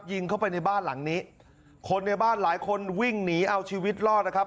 ยิงเข้าไปในบ้านหลังนี้คนในบ้านหลายคนวิ่งหนีเอาชีวิตรอดนะครับ